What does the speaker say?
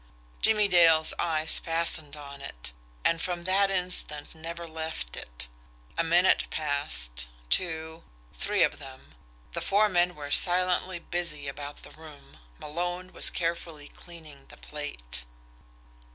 Jimmie Dale's eyes fastened on it and from that instant never left it. A minute passed, two, three of them the four men were silently busy about the room Malone was carefully cleaning the plate.